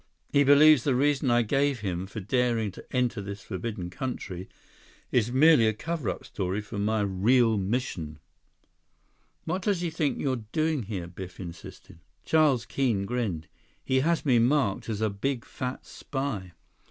He believes the reason I gave him for daring to enter this forbidden country is merely a cover up story for my real mission." "What does he think you're doing here?" Biff insisted. Charles Keene grinned. "He has me marked as a big fat spy."